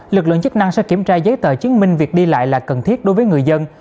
lực lượng chức năng sẽ kiểm tra giấy tờ chứng minh việc đi lại là cần thiết đối với người dân